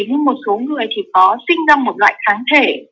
nhưng một số người thì có sinh ra một loại kháng thể